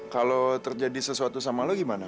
kalau terjadi sesuatu sama lo gimana